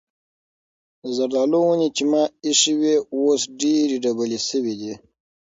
د زردالو ونې چې ما ایښې وې اوس ډېرې ډبلې شوې دي.